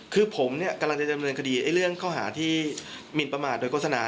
คือผมเนี่ยกำลังจะดำเนินคดีเรื่องข้อหาที่หมินประมาทโดยโฆษณา